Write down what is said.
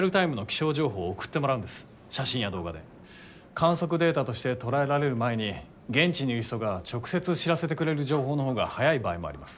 観測データとして捉えられる前に現地にいる人が直接知らせてくれる情報の方が早い場合もあります。